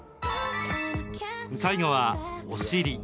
最後は、お尻。